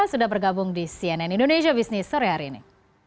sudah bergabung di cnn indonesia business sore hari ini